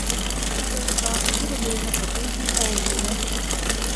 އެހަށިގަނޑުގައި އިތުރުމީހަކު ބީހިފައއެއްނުވެ